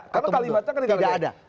karena kalimatnya kan itu lagi